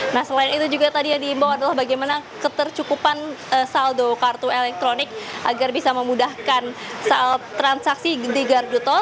nah selain itu juga tadi yang diimbau adalah bagaimana ketercukupan saldo kartu elektronik agar bisa memudahkan soal transaksi di gardu tol